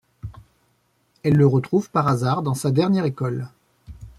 Elle le retrouve par hasard dans sa dernière école.